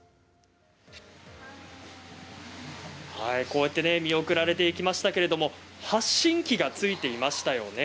こうやって見送られていきましたけれども発信器がついていましたよね。